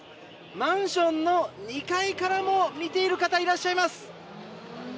マンションの２階からも見ている方、いらっしゃいます。